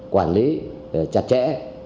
quản lý chặt chẽ